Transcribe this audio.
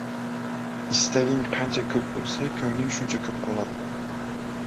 Istaging qancha koʻp boʻlsa, koʻngling shuncha koʻp qoladi.